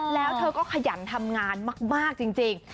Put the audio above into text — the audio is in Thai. แล้วเธอก็ขยันทำงานมากจริง